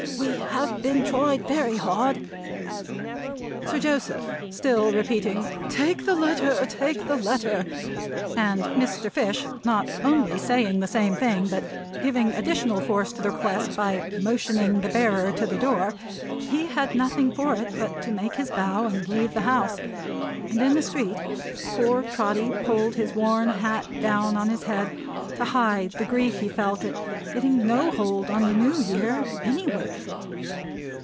"We have been tried very hard." Sir Joseph still repeating "Take the letter, take the letter!" and Mr. Fish not only saying the same thing, but giving additional force to the request by motioning the bearer to the door, he had nothing for it but to make his bow and leave the house. And in the street, poor Trotty pulled his worn old hat down on his head to hide the grief he felt at getting no hold on the New Year, anywhere.